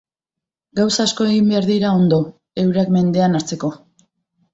Gauza asko egin behar dira ondo eurak mendean hartzeko.